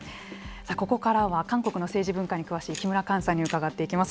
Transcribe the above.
ここからは韓国の政治文化に詳しい木村幹さんに伺っていきます。